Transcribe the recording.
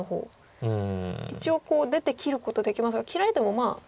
一応出て切ることできますが切られてもまあ。